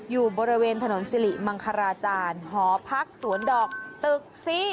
อยู่บริเวณถนนสิริมังคลาจารย์หอพักสวนดอกตึก๔